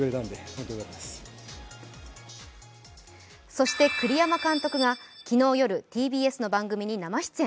そして栗山監督が昨日夜、ＴＢＳの番組に生出演。